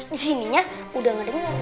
di sininya udah nggak dengar